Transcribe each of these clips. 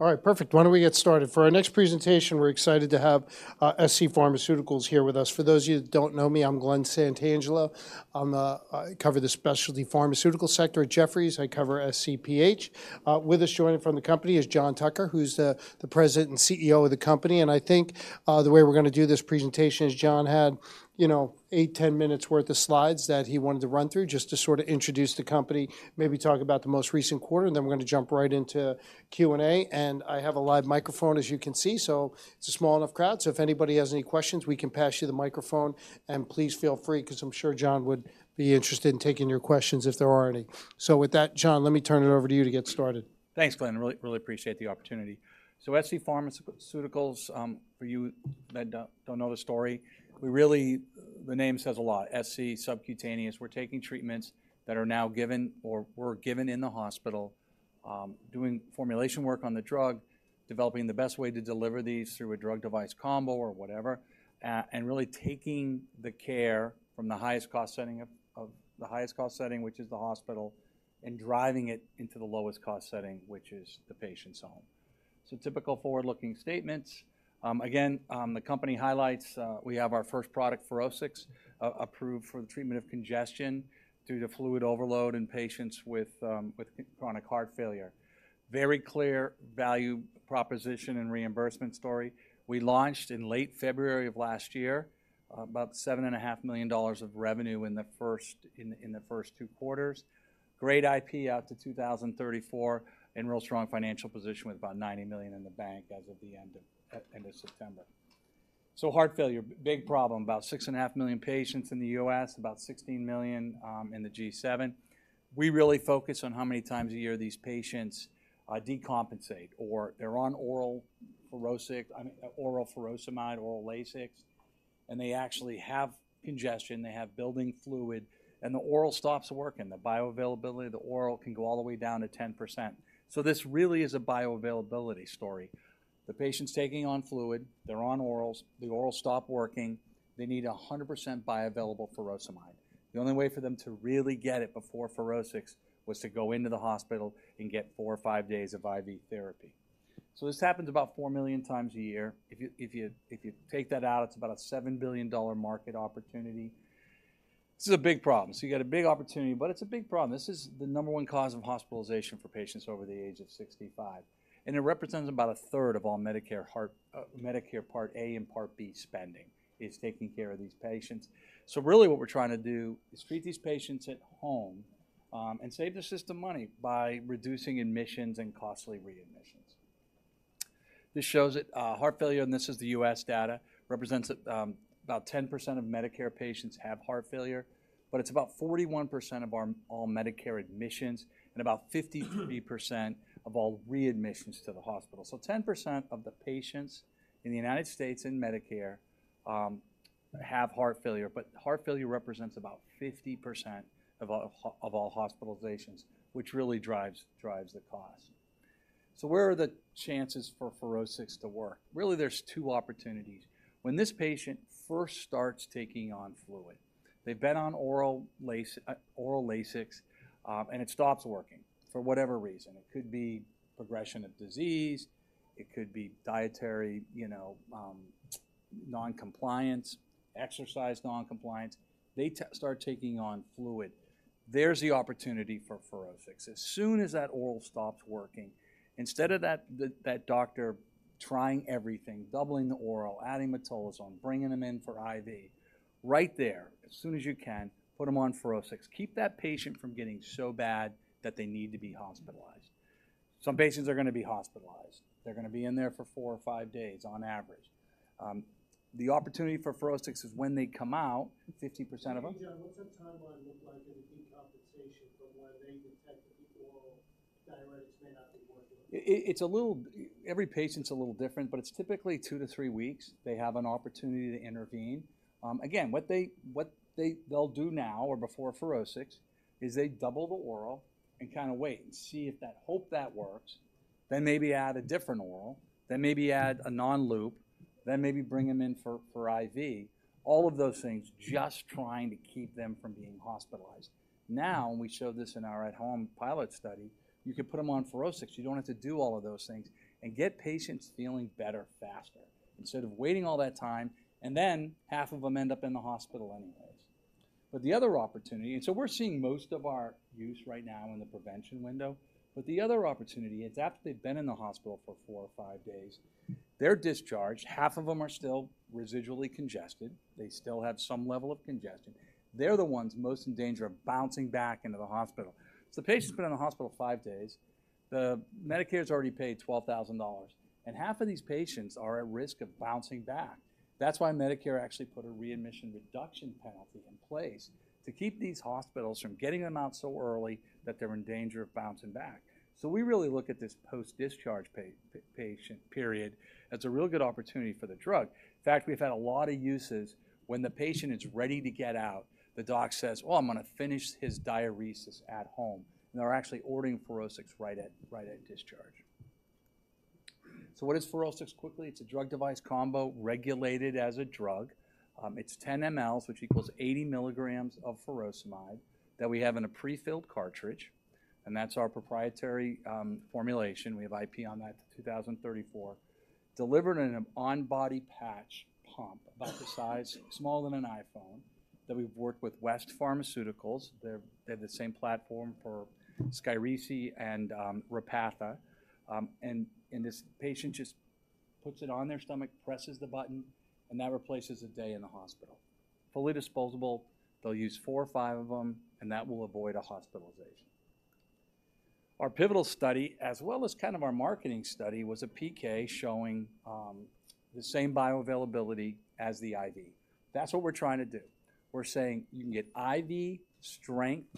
All right, perfect. Why don't we get started? For our next presentation, we're excited to have scPharmaceuticals here with us. For those of you who don't know me, I'm Glen Santangelo. I'm, I cover the specialty pharmaceutical sector at Jefferies. I cover SCPH. With us joining from the company is John Tucker, who's the president and CEO of the company. And I think the way we're gonna do this presentation is John had, you know, eight, 10 minutes worth of slides that he wanted to run through just to sort of introduce the company, maybe talk about the most recent quarter, and then we're gonna jump right into Q&A. And I have a live microphone, as you can see, so it's a small enough crowd, so if anybody has any questions, we can pass you the microphone. Please feel free, because I'm sure John would be interested in taking your questions if there are any. With that, John, let me turn it over to you to get started. Thanks, Glen. I really, really appreciate the opportunity. So scPharmaceuticals, for you that don't know the story, we really... The name says a lot. SC, subcutaneous. We're taking treatments that are now given or were given in the hospital, doing formulation work on the drug, developing the best way to deliver these through a drug device combo or whatever, and really taking the care from the highest cost setting of, of the highest cost setting, which is the hospital, and driving it into the lowest cost setting, which is the patient's home. So typical forward-looking statements. Again, the company highlights, we have our first product, FUROSCIX, approved for the treatment of congestion due to fluid overload in patients with, with chronic heart failure. Very clear value proposition and reimbursement story. We launched in late February of last year, about $7.5 million of revenue in the first two quarters. Great IP out to 2034, and real strong financial position with about $90 million in the bank as of the end of September. So heart failure, big problem, about 6.5 million patients in the U.S., about 16 million in the G7. We really focus on how many times a year these patients decompensate, or they're on oral furosemide, oral Lasix, and they actually have congestion, they have building fluid, and the oral stops working. The bioavailability of the oral can go all the way down to 10%. So this really is a bioavailability story. The patient's taking on fluid, they're on orals, the orals stop working, they need 100% bioavailable furosemide. The only way for them to really get it before FUROSCIX was to go into the hospital and get four or five days of IV therapy. So this happens about four million x a year. If you, if you, if you take that out, it's about a $7 billion market opportunity. This is a big problem. So you got a big opportunity, but it's a big problem. This is the number one cause of hospitalization for patients over the age of 65, and it represents about a third of all Medicare heart, Medicare Part A and Part B spending, is taking care of these patients. So really, what we're trying to do is treat these patients at home, and save the system money by reducing admissions and costly readmissions. This shows it, heart failure, and this is the U.S. data, represents that, about 10% of Medicare patients have heart failure, but it's about 41% of our all Medicare admissions and about 50% of all readmissions to the hospital. So 10% of the patients in the United States in Medicare, have heart failure, but heart failure represents about 50% of of all hospitalizations, which really drives the cost. So where are the chances for FUROSCIX to work? Really, there's two opportunities. When this patient first starts taking on fluid, they've been on oral Lasix, and it stops working for whatever reason. It could be progression of disease, it could be dietary, you know, non-compliance, exercise non-compliance. They start taking on fluid. There's the opportunity for FUROSCIX. As soon as that oral stops working, instead of that, that, that doctor trying everything, doubling the oral, adding metolazone, bringing them in for IV, right there, as soon as you can, put them on FUROSCIX. Keep that patient from getting so bad that they need to be hospitalized. Some patients are gonna be hospitalized. They're gonna be in there for four or five days on average. The opportunity for FUROSCIX is when they come out, 50% of them- Hey, John, what's the timeline look like in the decompensation from when they detect the oral diuretics may not be working? It, it's a little, every patient's a little different, but it's typically two-three weeks, they have an opportunity to intervene. Again, what they'll do now or before FUROSCIX is they double the oral and kind of wait and see if that, hope that works, then maybe add a different oral, then maybe add a non-loop, then maybe bring them in for IV. All of those things, just trying to keep them from being hospitalized. Now, we showed this in our at-home pilot study, you could put them on FUROSCIX. You don't have to do all of those things and get patients feeling better faster, instead of waiting all that time, and then half of them end up in the hospital anyways. But the other opportunity... And so we're seeing most of our use right now in the prevention window, but the other opportunity, it's after they've been in the hospital for four or five days. They're discharged, half of them are still residually congested. They still have some level of congestion. They're the ones most in danger of bouncing back into the hospital. So the patient's been in the hospital five days, the Medicare's already paid $12,000, and half of these patients are at risk of bouncing back. That's why Medicare actually put a readmission reduction penalty in place, to keep these hospitals from getting them out so early that they're in danger of bouncing back. So we really look at this post-discharge patient period as a real good opportunity for the drug. In fact, we've had a lot of uses when the patient is ready to get out, the doc says: "Oh, I'm gonna finish his diuresis at home," and they're actually ordering FUROSCIX right at, right at discharge. So what is FUROSCIX quickly? It's a drug device combo regulated as a drug. It's 10 mL, which equals 80 milligrams of furosemide that we have in a prefilled cartridge, and that's our proprietary formulation. We have IP on that to 2034. Delivered in an on-body patch pump about the size, smaller than an iPhone, that we've worked with West Pharmaceutical Services. They have the same platform for SKYRIZI and Repatha. And this patient just puts it on their stomach, presses the button, and that replaces a day in the hospital. Fully disposable, they'll use four or five of them, and that will avoid a hospitalization. Our pivotal study, as well as kind of our marketing study, was a PK showing the same bioavailability as the IV. That's what we're trying to do. We're saying you can get IV strength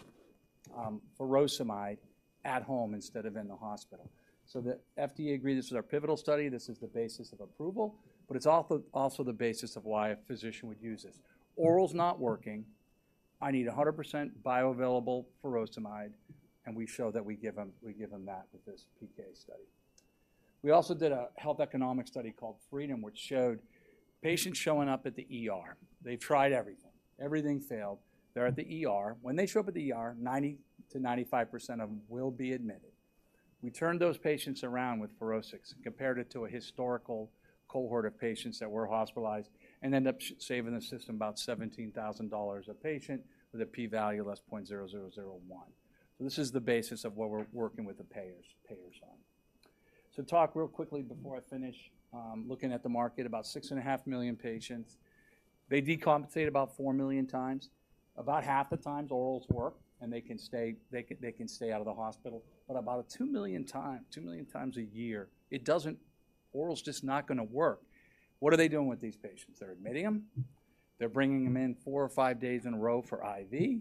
furosemide at home instead of in the hospital. So the FDA agreed this is our pivotal study, this is the basis of approval, but it's also, also the basis of why a physician would use this. Oral's not working, I need 100% bioavailable furosemide, and we show that we give them, we give them that with this PK study. We also did a health economic study called FREEDOM, which showed patients showing up at the ER. They've tried everything. Everything failed. They're at the ER. When they show up at the ER, 90%-95% of them will be admitted. We turned those patients around with FUROSCIX and compared it to a historical cohort of patients that were hospitalized, and end up saving the system about $17,000 a patient with a p-value of less than 0.0001. So this is the basis of what we're working with the payers on. So talk real quickly before I finish, looking at the market, about 6.5 million patients, they decompensate about four million x. About half the times, orals work, and they can stay out of the hospital. But about 2 million times a year, it doesn't. Orals just not gonna work. What are they doing with these patients? They're admitting them. They're bringing them in four or five days in a row for IV.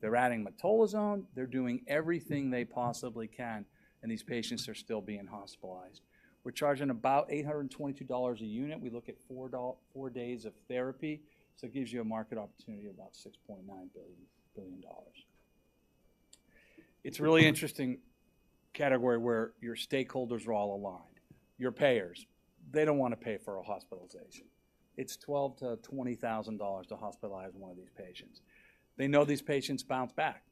They're adding metolazone. They're doing everything they possibly can, and these patients are still being hospitalized. We're charging about $822 a unit. We look at four days of therapy, so it gives you a market opportunity of about $6.9 billion. It's a really interesting category where your stakeholders are all aligned. Your payers, they don't wanna pay for a hospitalization. It's $12,000-$20,000 to hospitalize one of these patients. They know these patients bounce back.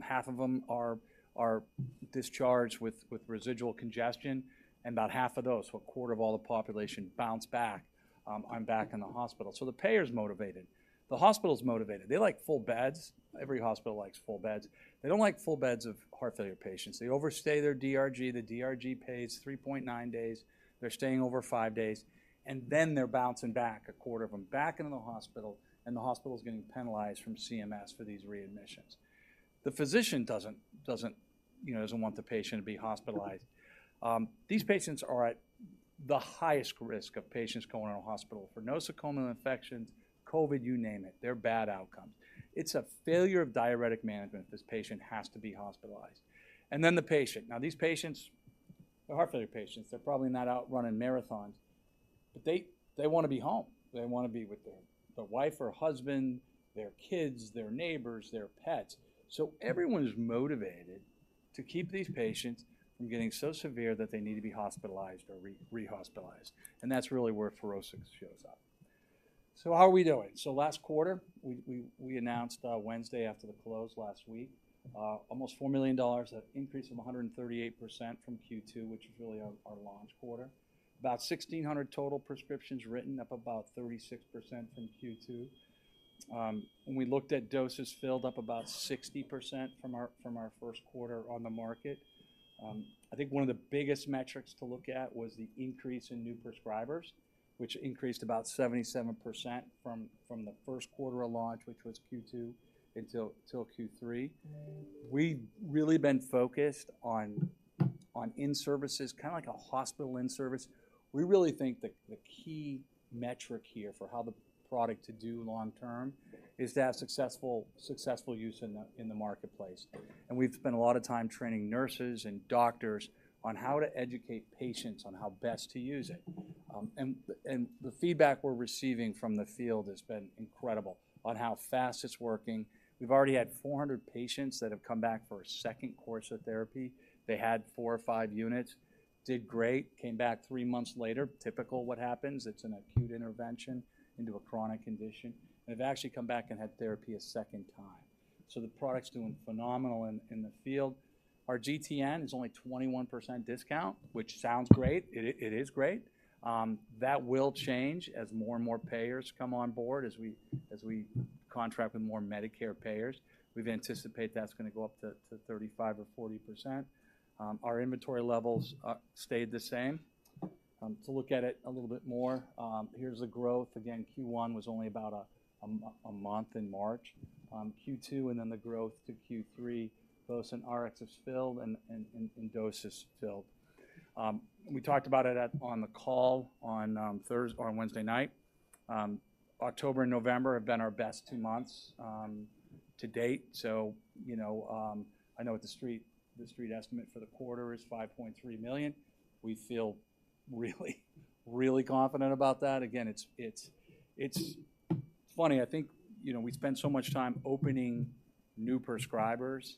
Half of them are discharged with residual congestion, and about half of those, so a quarter of all the population, bounce back, and back in the hospital. So the payer's motivated. The hospital's motivated. They like full beds. Every hospital likes full beds. They don't like full beds of heart failure patients. They overstay their DRG. The DRG pays 3.9 days. They're staying over five days, and then they're bouncing back, a quarter of them, back into the hospital, and the hospital is getting penalized from CMS for these readmissions. The physician doesn't, you know, want the patient to be hospitalized. These patients are at the highest risk of patients going around hospital for nosocomial infections, COVID, you name it. They're bad outcomes. It's a failure of diuretic management if this patient has to be hospitalized. And then the patient. Now, these patients, they're heart failure patients, they're probably not out running marathons, but they, they wanna be home. They wanna be with their, their wife or husband, their kids, their neighbors, their pets. So everyone is motivated to keep these patients from getting so severe that they need to be hospitalized or rehospitalized, and that's really where FUROSCIX shows up. So how are we doing? So last quarter, we announced Wednesday after the close last week, almost $4 million, an increase of 138% from Q2, which is really our launch quarter. About 1,600 total prescriptions written, up about 36% from Q2. When we looked at doses filled, up about 60% from our first quarter on the market. I think one of the biggest metrics to look at was the increase in new prescribers, which increased about 77% from the first quarter of launch, which was Q2, until Q3. We've really been focused on in-services, kind of like a hospital in-service. We really think the key metric here for how the product to do long term is to have successful use in the marketplace. And we've spent a lot of time training nurses and doctors on how to educate patients on how best to use it. And the feedback we're receiving from the field has been incredible on how fast it's working. We've already had 400 patients that have come back for a second course of therapy. They had four or five units, did great, came back three months later. Typical what happens, it's an acute intervention into a chronic condition, and they've actually come back and had therapy a second time. So the product's doing phenomenal in the field. Our GTN is only 21% discount, which sounds great. It is great. That will change as more and more payers come on board, as we contract with more Medicare payers. We've anticipated that's gonna go up to 35% or 40%. Our inventory levels stayed the same. To look at it a little bit more, here's the growth. Again, Q1 was only about a month in March, Q2 and then the growth to Q3, both in Rx as filled and doses filled. We talked about it on the call on Wednesday night. October and November have been our best two months to date. So, you know, I know what the street estimate for the quarter is $5.3 million. We feel really confident about that. Again, it's funny, I think, you know, we spend so much time opening new prescribers,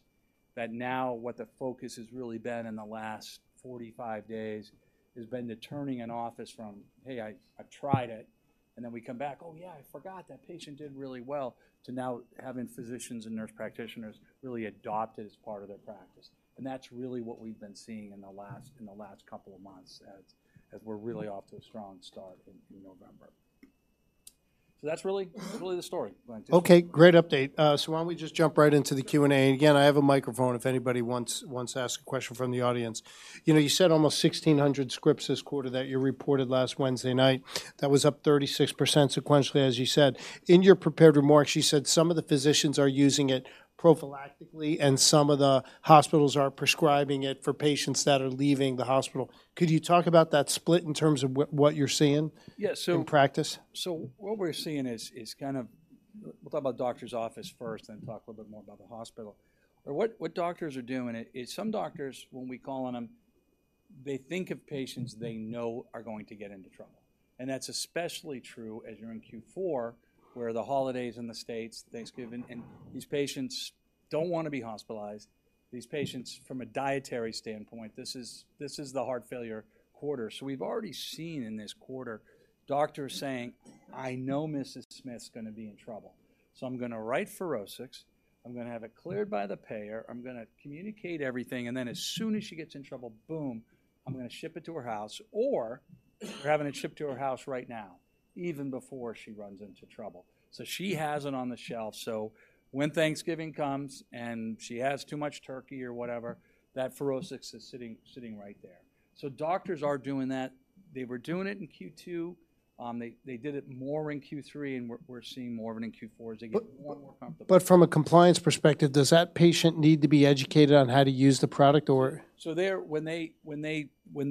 that now what the focus has really been in the last 45 days has been turning an office from, "Hey, I've tried it," and then we come back, "Oh yeah, I forgot that patient did really well," to now having physicians and nurse practitioners really adopt it as part of their practice. And that's really what we've been seeing in the last couple of months as we're really off to a strong start in November. So that's really the story going to- Okay, great update. So why don't we just jump right into the Q&A? Again, I have a microphone if anybody wants to ask a question from the audience. You know, you said almost 1,600 scripts this quarter that you reported last Wednesday night. That was up 36% sequentially, as you said. In your prepared remarks, you said some of the physicians are using it prophylactically, and some of the hospitals are prescribing it for patients that are leaving the hospital. Could you talk about that split in terms of what you're seeing- Yeah, so- - in practice? So what we're seeing is kind of... We'll talk about doctor's office first, then talk a little bit more about the hospital. But what doctors are doing is some doctors, when we call on them, they think of patients they know are going to get into trouble. And that's especially true as you're in Q4, where the holidays in the States, Thanksgiving, and these patients don't want to be hospitalized. These patients, from a dietary standpoint, this is the heart failure quarter. So we've already seen in this quarter, doctors saying, "I know Mrs. Smith's gonna be in trouble, so I'm gonna write FUROSCIX, I'm gonna have it cleared by the payer, I'm gonna communicate everything, and then as soon as she gets in trouble, boom, I'm gonna ship it to her house, or we're having it shipped to her house right now, even before she runs into trouble." So she has it on the shelf, so when Thanksgiving comes, and she has too much turkey or whatever, that FUROSCIX is sitting, sitting right there. So doctors are doing that. They were doing it in Q2. They did it more in Q3, and we're seeing more of it in Q4 as they get more and more comfortable. But, from a compliance perspective, does that patient need to be educated on how to use the product or?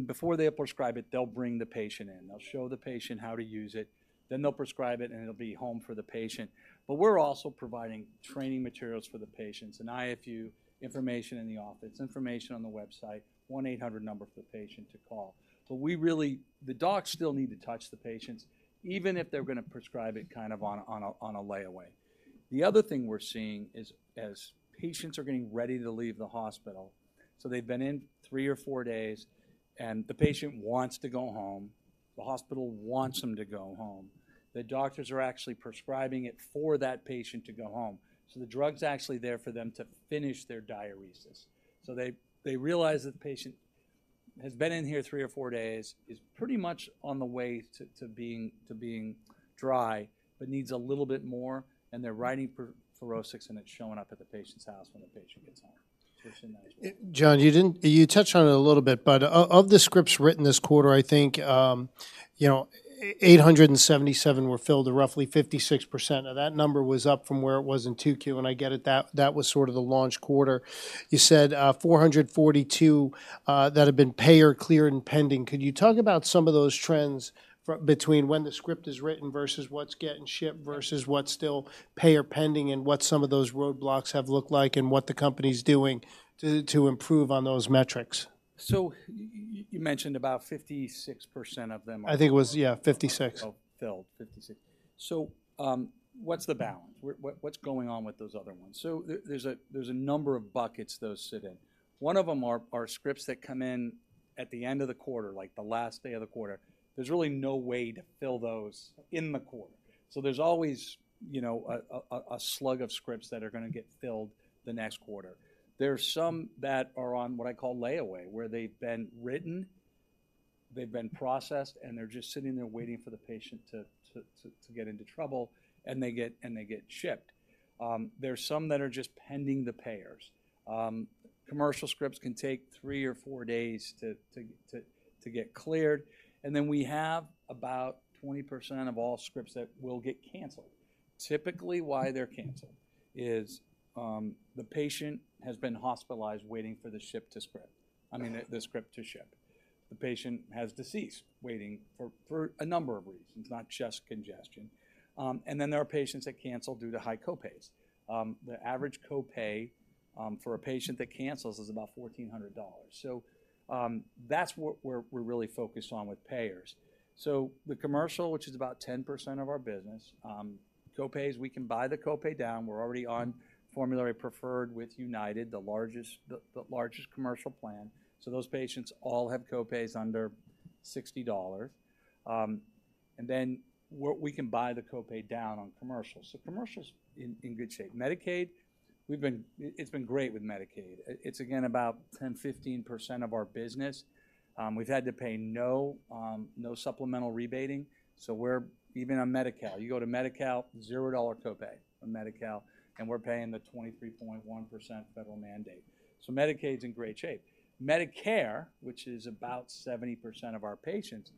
Before they prescribe it, they'll bring the patient in. They'll show the patient how to use it, then they'll prescribe it, and it'll be home for the patient. But we're also providing training materials for the patients, an IFU, information in the office, information on the website, one-800 number for the patient to call. But we really, the docs still need to touch the patients, even if they're gonna prescribe it kind of on a layaway. The other thing we're seeing is, as patients are getting ready to leave the hospital, so they've been in three or four days, and the patient wants to go home, the hospital wants them to go home, the doctors are actually prescribing it for that patient to go home. So the drug's actually there for them to finish their diuresis. So they realize that the patient has been in here three or four days, is pretty much on the way to being dry, but needs a little bit more, and they're writing FUROSCIX, and it's showing up at the patient's house when the patient gets home. So it's a nice- John, you didn't. You touched on it a little bit, but of the scripts written this quarter, I think, you know, 877 were filled to roughly 56%, and that number was up from where it was in 2Q, and I get it, that, that was sort of the launch quarter. You said, 442 that had been payer cleared and pending. Could you talk about some of those trends between when the script is written versus what's getting shipped, versus what's still payer pending, and what some of those roadblocks have looked like, and what the company's doing to improve on those metrics? So you mentioned about 56% of them are- I think it was... Yeah, 56. fills, filled, 56. So, what's the balance? What, what's going on with those other ones? So there's a number of buckets those sit in. One of them are scripts that come in at the end of the quarter, like the last day of the quarter. There's really no way to fill those in the quarter. So there's always, you know, a slug of scripts that are gonna get filled the next quarter. There are some that are on what I call layaway, where they've been written, they've been processed, and they're just sitting there waiting for the patient to get into trouble, and they get shipped. There are some that are just pending the payers. Commercial scripts can take three or four days to get cleared, and then we have about 20% of all scripts that will get cancelled. Typically, why they're cancelled is the patient has been hospitalized waiting for the ship to script-- I mean, the script to ship. The patient has deceased waiting for a number of reasons, not just congestion. And then there are patients that cancel due to high co-pays. The average co-pay for a patient that cancels is about $1,400. So that's what we're really focused on with payers. So the commercial, which is about 10% of our business, co-pays, we can buy the co-pay down. We're already on formulary preferred with United, the largest commercial plan, so those patients all have co-pays under $60. And then we can buy the co-pay down on commercial. So commercial's in good shape. Medicaid, we've been it's been great with Medicaid. It's, again, about 10%-15% of our business. We've had to pay no supplemental rebating, so we're even on Medi-Cal. You go to Medi-Cal, $0 co-pay on Medi-Cal, and we're paying the 23.1% federal mandate. So Medicaid's in great shape. Medicare, which is about 70% of our patients,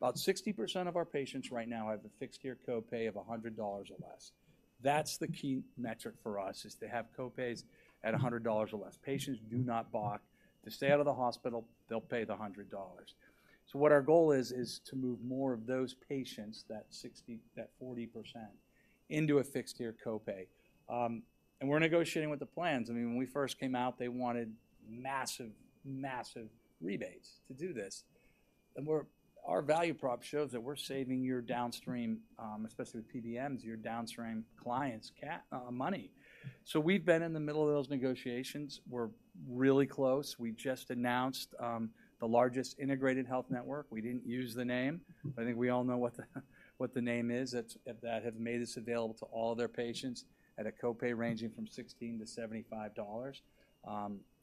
about 60% of our patients right now have a fixed-year co-pay of $100 or less. That's the key metric for us, is to have co-pays at $100 or less. Patients do not balk. To stay out of the hospital, they'll pay the $100. So what our goal is, is to move more of those patients, that 60%-40%, into a fixed-year co-pay. And we're negotiating with the plans. I mean, when we first came out, they wanted massive, massive rebates to do this... and our value prop shows that we're saving your downstream, especially with PBMs, your downstream clients money. So we've been in the middle of those negotiations. We're really close. We just announced the largest integrated health network. We didn't use the name, but I think we all know what the, what the name is. That's that have made this available to all their patients at a co-pay ranging from $16-$75.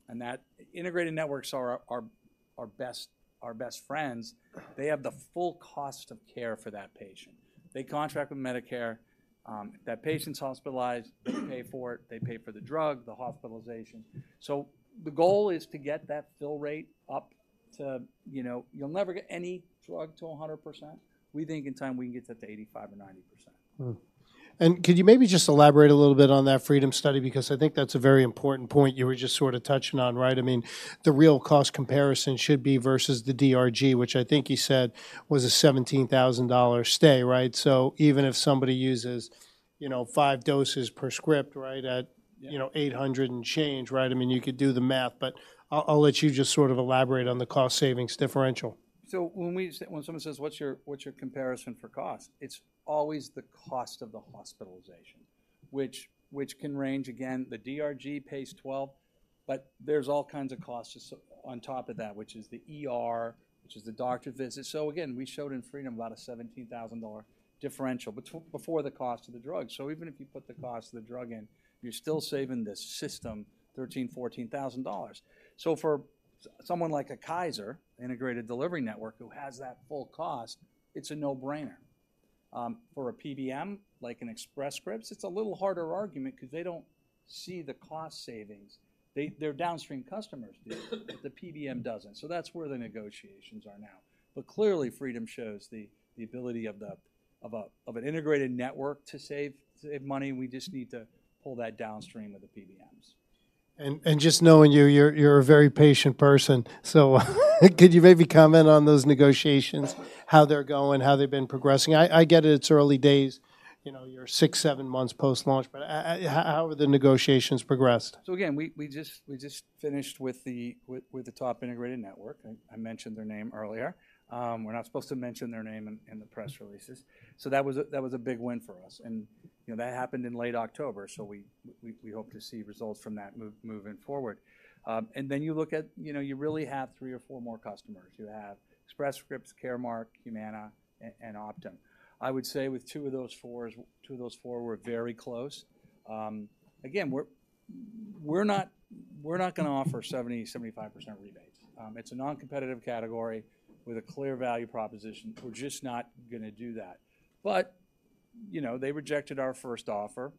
And that integrated networks are our, our best, our best friends. They have the full cost of care for that patient. They contract with Medicare, that patient's hospitalized, they pay for it, they pay for the drug, the hospitalization. So the goal is to get that fill rate up to... You know, you'll never get any drug to 100%. We think in time we can get that to 85% or 90%. Hmm. And could you maybe just elaborate a little bit on that FREEDOM Study? Because I think that's a very important point you were just sort of touching on, right? I mean, the real cost comparison should be versus the DRG, which I think you said was a $17,000 stay, right? So even if somebody uses, you know, five doses per script, right, at- Yeah... you know, 800 and change, right? I mean, you could do the math, but I'll, I'll let you just sort of elaborate on the cost savings differential. When someone says: "What's your comparison for cost?" It's always the cost of the hospitalization, which can range. Again, the DRG pays $12,000, but there's all kinds of costs just on top of that, which is the ER, which is the doctor visit. So again, we showed in FREEDOM about a $17,000 differential, but before the cost of the drug. So even if you put the cost of the drug in, you're still saving the system $13,000-$14,000. SOFR someone like a Kaiser integrated delivery network, who has that full cost, it's a no-brainer. For a PBM, like an Express Scripts, it's a little harder argument 'cause they don't see the cost savings. Their downstream customers do, but the PBM doesn't. So that's where the negotiations are now. But clearly, FREEDOM shows the ability of an integrated network to save money. We just need to pull that downstream of the PBMs. Just knowing you, you're a very patient person, so could you maybe comment on those negotiations, how they're going, how they've been progressing? I get it, it's early days, you know, you're 6-7 months post-launch, but how have the negotiations progressed? So again, we just finished with the top integrated network. I mentioned their name earlier. We're not supposed to mention their name in the press releases. So that was a big win for us. And you know, that happened in late October, so we hope to see results from that moving forward. And then you look at... You know, you really have three or four more customers. You have Express Scripts, Caremark, Humana, and Optum. I would say with two of those four, we're very close. Again, we're not gonna offer 75% rebates. It's a non-competitive category with a clear value proposition. We're just not gonna do that. But, you know, they rejected our first offer,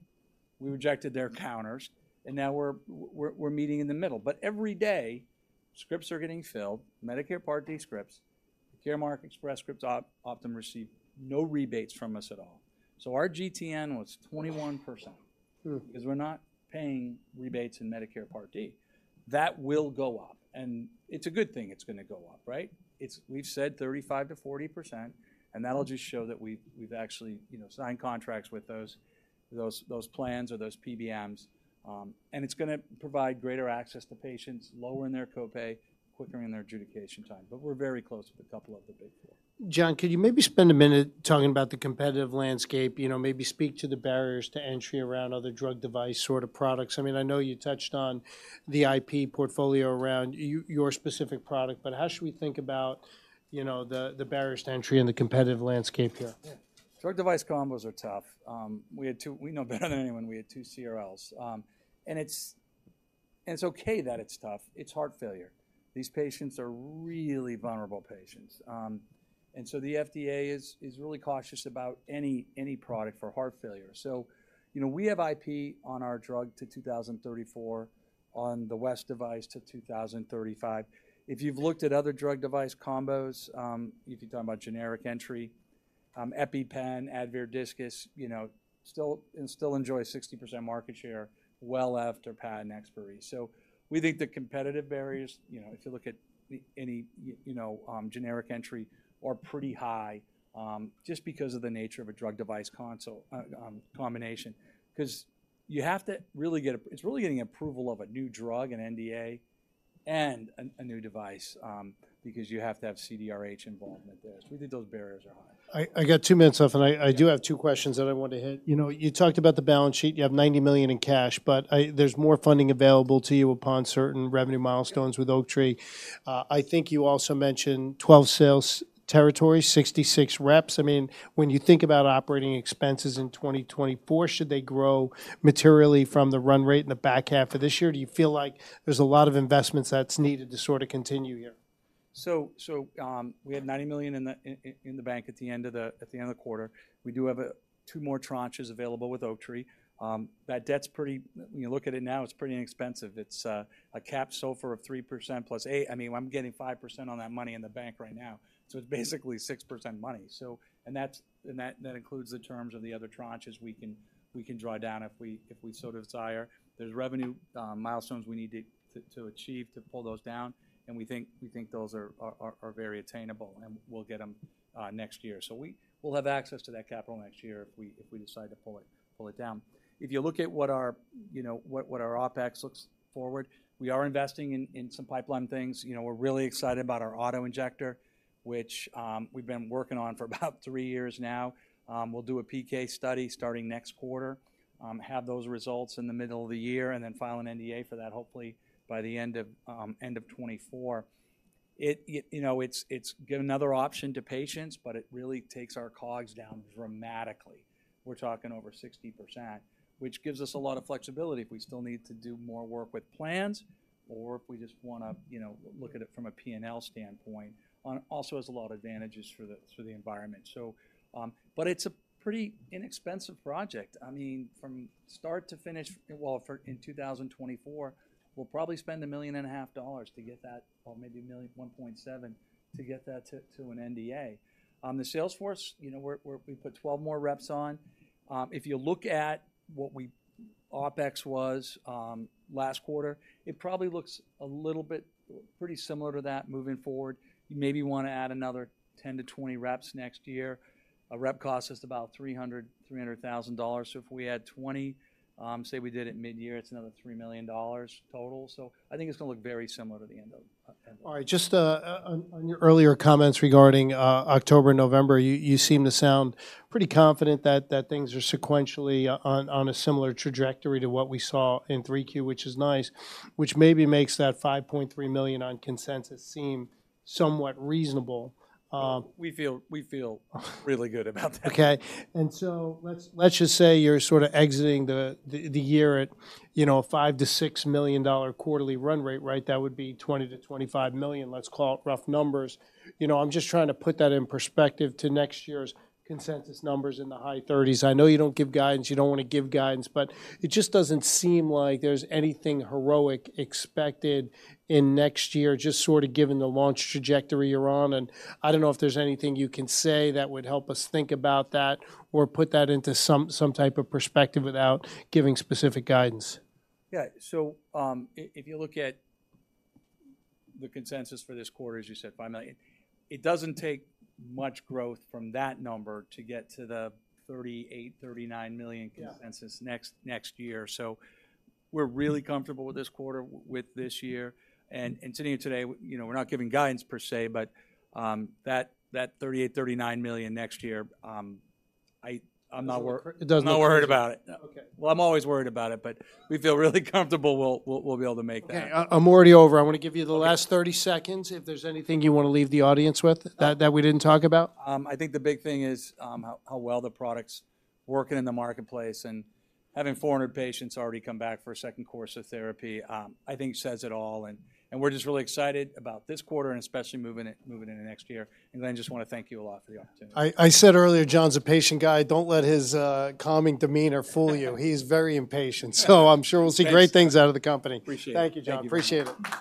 we rejected their counters, and now we're meeting in the middle. But every day, scripts are getting filled, Medicare Part D scripts, Caremark, Express Scripts, Optum receive no rebates from us at all. So our GTN was 21%- Hmm... 'cause we're not paying rebates in Medicare Part D. That will go up, and it's a good thing it's gonna go up, right? We've said 35%-40%, and that'll just show that we've actually, you know, signed contracts with those plans or those PBMs. And it's gonna provide greater access to patients, lowering their co-pay, quicker in their adjudication time. But we're very close with a couple of the big four. John, could you maybe spend a minute talking about the competitive landscape? You know, maybe speak to the barriers to entry around other drug device sort of products. I mean, I know you touched on the IP portfolio around your specific product, but how should we think about, you know, the barriers to entry and the competitive landscape here? Yeah. Drug device combos are tough. We had two. We know better than anyone, we had two CRLs. And it's okay that it's tough. It's heart failure. These patients are really vulnerable patients. And so the FDA is really cautious about any product for heart failure. So, you know, we have IP on our drug to 2034 on the West device to 2035. If you've looked at other drug device combos, if you're talking about generic entry, EpiPen, Advair Diskus, you know, still enjoy 60% market share well after patent expiry. So we think the competitive barriers, you know, if you look at any, you know, generic entry, are pretty high, just because of the nature of a drug device combination. 'Cause you have to really get approval. It's really getting approval of a new drug, an NDA, and a new device, because you have to have CDRH involvement there. So we think those barriers are high. I got two minutes left, and I do have two questions that I want to hit. You know, you talked about the balance sheet. You have $90 million in cash, but I... There's more funding available to you upon certain revenue milestones with Oaktree. I think you also mentioned 12 sales territories, 66 reps. I mean, when you think about operating expenses in 2024, should they grow materially from the run rate in the back half of this year? Do you feel like there's a lot of investments that's needed to sort of continue here? We had $90 million in the bank at the end of the quarter. We do have 2 more tranches available with Oaktree. That debt's pretty inexpensive. When you look at it now, it's pretty inexpensive. It's a cap SOFR a 3% +8- I mean, I'm getting 5% on that money in the bank right now, so it's basically 6% money. And that includes the terms of the other tranches we can draw down if we so desire. There's revenue milestones we need to achieve to pull those down, and we think those are very attainable, and we'll get them next year. So we'll have access to that capital next year if we decide to pull it down. If you look at what our, you know, OpEx looks forward, we are investing in some pipeline things. You know, we're really excited about our auto-injector, which we've been working on for about three years now. We'll do a PK study starting next quarter, have those results in the middle of the year, and then file an NDA for that, hopefully by the end of 2024. It, you know, it's give another option to patients, but it really takes our COGS down dramatically. We're talking over 60%, which gives us a lot of flexibility if we still need to do more work with plans or if we just wanna, you know, look at it from a P&L standpoint. Also has a lot of advantages for the, for the environment. But it's a pretty inexpensive project. I mean, from start to finish, well, for in 2024, we'll probably spend $1.5 million to get that, or maybe $1 million-$1.7 million, to get that to an NDA. The sales force, you know, we're, we're- we put 12 more reps on. If you look at what we- OpEx was last quarter, it probably looks a little bit pretty similar to that moving forward. You maybe wanna add another 10-20 reps next year. A rep cost us about $300,000. So if we add 20, say we did it mid-year, it's another $3 million total. So I think it's gonna look very similar to the end of end of- All right. Just on your earlier comments regarding October and November, you seem to sound pretty confident that things are sequentially on a similar trajectory to what we saw in 3Q, which is nice, which maybe makes that $5.3 million on consensus seem somewhat reasonable. We feel really good about that. Okay. And so let's just say you're sorta exiting the year at, you know, $5-$6 million quarterly run rate, right? That would be $20-$25 million, let's call it rough numbers. You know, I'm just trying to put that in perspective to next year's consensus numbers in the high $30s. I know you don't give guidance, you don't wanna give guidance, but it just doesn't seem like there's anything heroic expected in next year, just sort of given the launch trajectory you're on. And I don't know if there's anything you can say that would help us think about that or put that into some type of perspective without giving specific guidance. Yeah. So, if you look at the consensus for this quarter, as you said, $5 million, it doesn't take much growth from that number to get to the $38-$39 million- Yeah... consensus next year. So we're really comfortable with this quarter, with this year. And sitting here today, you know, we're not giving guidance per se, but that $38-$39 million next year, I'm not wor- It doesn't-... I'm not worried about it. No. Okay. Well, I'm always worried about it, but we feel really comfortable we'll be able to make that. Okay, I, I'm already over. I wanna give you the last- Okay... 30 seconds if there's anything you wanna leave the audience with that, that we didn't talk about. I think the big thing is, how well the product's working in the marketplace and having 400 patients already come back for a second course of therapy, I think says it all. And we're just really excited about this quarter and especially moving into next year. And then just wanna thank you a lot for the opportunity. I said earlier, John's a patient guy. Don't let his calming demeanor fool you. He's very impatient. So I'm sure we'll see great things- Thanks... out of the company. Appreciate it. Thank you, John. Thank you. Appreciate it.